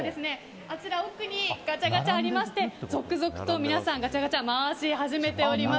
奥にガチャガチャがありまして続々と皆さん、ガチャガチャを回し始めております。